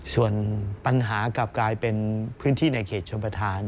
ส่วนปัญหากลับกลายเป็นพื้นที่ในเขตชมประธาน